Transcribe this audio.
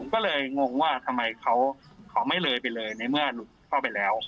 ก็เลยงงว่าทำไมเขาไม่เลยไปเลยในเมื่อหลุดเข้าไปแล้ว